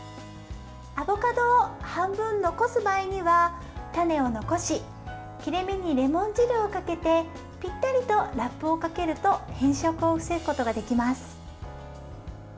アボカドを半分残す場合には種を残し切れ目にレモン汁をかけてぴったりとラップをかけると変色を防ぐことができます。